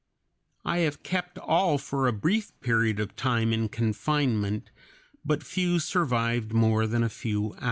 I have kept all for a brief time in confinement, but few survived more than a few hours.